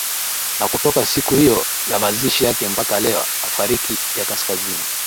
na kutoka siku hiyo ya mazishi yake mpaka leo afrika ya kaskazini